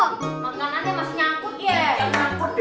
makanannya masih nyangkut ya